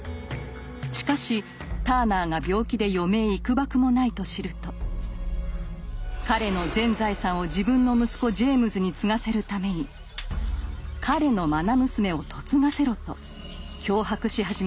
しかしターナーが病気で余命いくばくもないと知ると彼の全財産を自分の息子ジェイムズに継がせるために彼のまな娘を嫁がせろと脅迫し始めました。